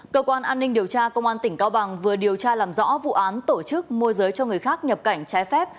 cơ quan an ninh điều tra công an tỉnh cao bằng vừa điều tra làm rõ vụ án tổ chức môi giới cho người khác nhập cảnh trái phép